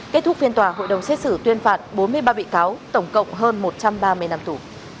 kết thúc phiên tòa hội đồng xét xử tuyên phạt bốn mươi ba bị cáo tổng cộng hơn một trăm ba mươi năm tù